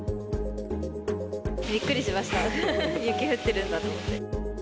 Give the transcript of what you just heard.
びっくりしました、雪降ってるんだと思って。